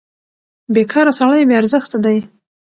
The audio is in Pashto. بېکاره سړی بې ارزښته دی.